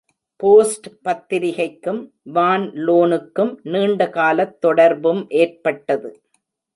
Post பத்திரிகைக்கும் வான் லோனுக்கும் நீண்ட காலத் தொடர்பும் ஏற்பட்டது.